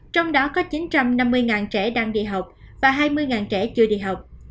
trong đó có chín trăm năm mươi trẻ đang đi học và hai mươi trẻ chưa đi học